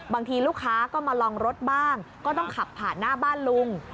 บางทีลูกค้าก็มาลองรถบ้างก็ต้องขับผ่านหน้าบ้านลุง